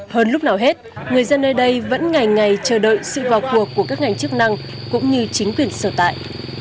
hơn lúc nào hết người dân nơi đây vẫn ngày ngày chờ đợi sự vào cuộc của các ngành chức năng cũng như chính quyền sở tại